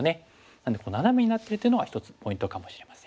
なのでナナメになってるっていうのが一つポイントかもしれません。